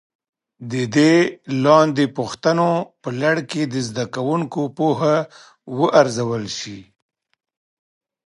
د دې لاندې پوښتنو په لړ کې د زده کوونکو پوهه وارزول شي.